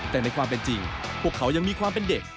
แต่ในความเป็นจริงพวกเขายังมีความเป็นเด็ก